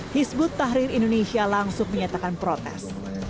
hizbut tahrir indonesia langsung menyatakan protes